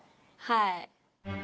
はい。